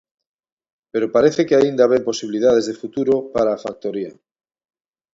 Pero parece que aínda ven posibilidades de futuro para a factoría.